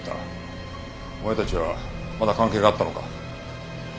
お前たちはまだ関係があったのか？